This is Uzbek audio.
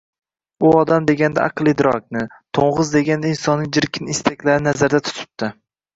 U odam deganda aql-idrokni, to‘ng‘iz deganda insonning chirkin istaklarini nazarda tutibdi